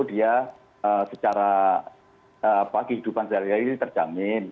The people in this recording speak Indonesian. dia secara bagi hidupan sejarah ini terjamin